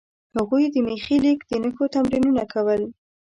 هغوی د میخي لیک د نښو تمرینونه کول.